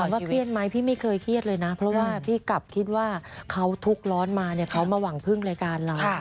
ว่าเครียดไหมพี่ไม่เคยเครียดเลยนะเพราะว่าพี่กลับคิดว่าเขาทุกข์ร้อนมาเนี่ยเขามาหวังพึ่งรายการเรา